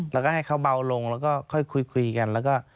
แล้วก็ให้เขาเบาลงแล้วก็ค่อยคุยกันแล้วก็